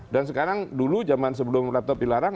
dan sekarang dulu zaman sebelum laptop dilarang